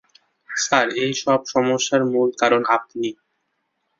Sir, এই সব সমস্যার মূল কারণ আপনি।